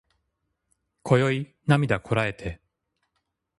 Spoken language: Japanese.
今宵涙こらえて